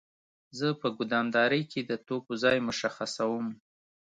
زه په ګدامدارۍ کې د توکو ځای مشخصوم.